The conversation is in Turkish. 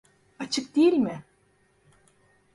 Açık değil mi?